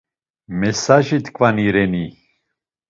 Mesajitkvani reni?